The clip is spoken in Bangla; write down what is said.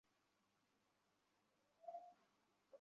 শুধু মাথা নয়, জান্নাতুলের সারা শরীরে খুন্তি দিয়ে ছ্যাঁকা দেওয়া হয়েছিল।